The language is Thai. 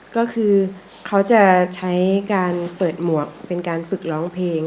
ก็คือเขาจะใช้การเปิดหมวกเป็นการฝึกร้องเพลง